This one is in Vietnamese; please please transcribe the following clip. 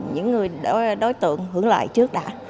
những người đối tượng hưởng lợi trước đã